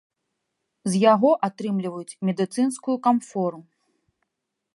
З яго атрымліваюць медыцынскую камфору.